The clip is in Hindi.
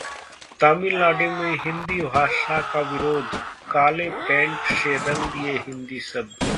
तमिलनाडु में हिंदी भाषा का विरोध, काले पेंट से रंग दिए हिन्दी शब्द